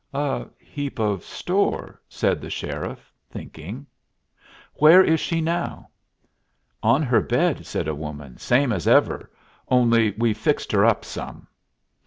"A heap of store," said the sheriff, thinking. "Where is she now?" "On her bed," said a woman, "same as ever, only we've fixed her up some."